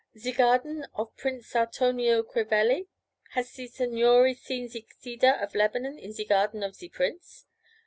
'Ze garden of Prince Sartonio Crevelli? Has ze signore seen ze cedar of Lebanon in ze garden of ze prince?'